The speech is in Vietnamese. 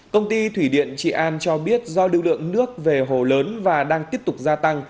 công ty thủy điện trị an cho biết do lưu lượng nước về hồ lớn và đang tiếp tục gia tăng